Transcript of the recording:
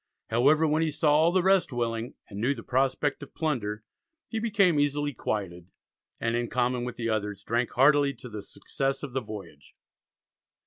However, when he saw all the rest willing, and knew the prospect of plunder, he became "easily quieted," and in common with the others drank heartily to the success of the voyage.